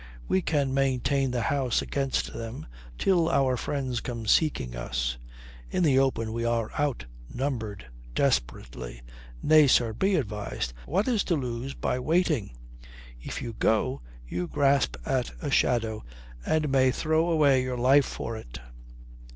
We can maintain the house against them till our friends come seeking us. In the open we are outnumbered desperately. Nay, sir, be advised; what is to lose by waiting? If you go, you grasp at a shadow and may throw away your life for it."